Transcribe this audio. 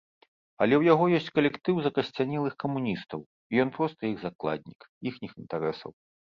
Але ў яго ёсць калектыў закасцянелых камуністаў, і ён проста іх закладнік, іхніх інтарэсаў.